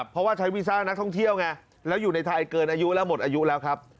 เพราะว่าใช้วีซ่านักท่องเที่ยวไงแล้วอยู่ในไทยเกินอายุแล้วหมดอายุแล้วครับ